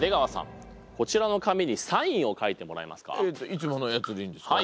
いつものやつでいいんですか？